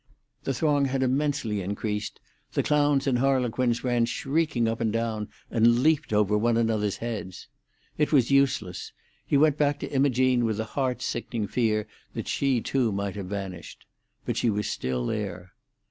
The throng had immensely increased; the clowns and harlequins ran shrieking up and down, and leaped over one another's heads. It was useless. He went back to Imogene with a heart sickening fear that she too might have vanished. But she was still there.